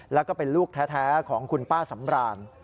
แล้วก็เป็นลูกแท้ของคุณป้าสำราน